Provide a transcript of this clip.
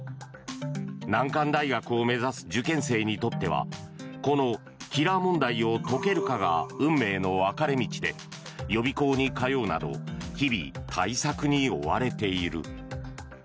難関大学を目指す受験生にとってはこのキラー問題を解けるかが運命の分かれ道で予備校に通うなど日々、対策に追われている。